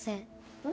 うん？